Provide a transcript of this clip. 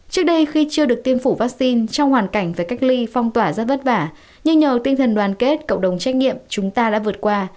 trước đây khi chưa được tiêm phủ vaccine trong hoàn cảnh về cách ly phong tỏa rất vất vả nhưng nhờ tinh thần đoàn kết cộng đồng trách nhiệm chúng ta đã vượt qua